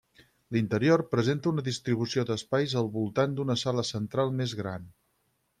L'interior presenta una distribució d'espais al voltant d'una sala central més gran.